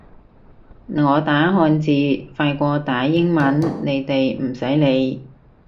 我打漢字快過打英文，你哋唔使理